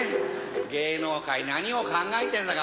芸能界何を考えてんだか